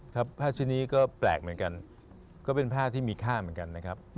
ครับผ้าชิ้นนี้ก็แปลกเหมือนกันก็เป็นผ้าที่มีค่าเหมือนกันนะครับ